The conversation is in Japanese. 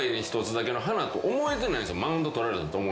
マウント取られたと思うやつは。